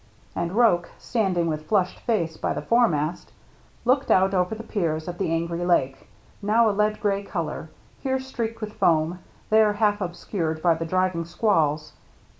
And Roche, standing with flushed face by the foremast, looked out over the piers at the angry lake, now a lead gray color, here streaked with foam, there half obscured by the driving squalls.